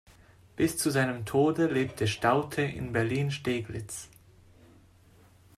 Bis zu seinem Tode lebte Staudte in Berlin-Steglitz.